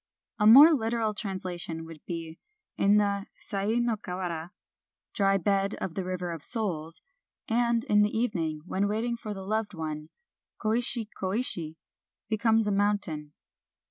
A more literal translation would be : "In the Sai no Kawara (' Dry bed of the River of Souls ') and in the evening when waiting for the loved one, ' Koishi, Koishi ' becomes a mountain."